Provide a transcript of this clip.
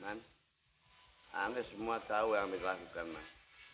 man anda semua tahu yang kita lakukan mas